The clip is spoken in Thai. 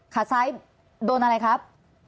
ขาซ้ายโดนอะไรครับ